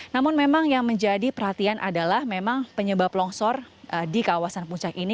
namun memang yang menjadi perhatian adalah memang penyebab longsor di kawasan puncak ini